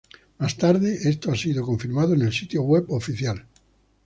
Más tarde, esto ha sido confirmado en el sitio web oficial.